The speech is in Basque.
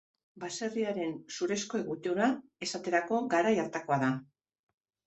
Baserriaren zurezko egitura, esaterako, garai hartakoa da.